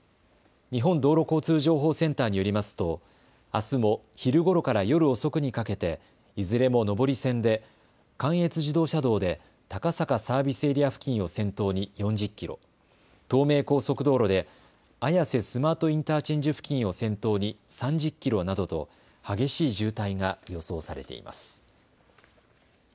日本道路交通情報センターによりますとあすも昼ごろから夜遅くにかけていずれも上り線で関越自動車道で高坂サービスエリア付近を先頭に４０キロ、東名高速道路で綾瀬スマートインターチェンジ付近を先頭に３０キロなどと激しい渋滞が予想されています。